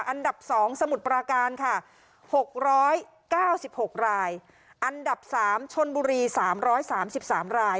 อันดับ๒สมุทรปราการค่ะ๖๙๖รายอันดับ๓ชนบุรี๓๓ราย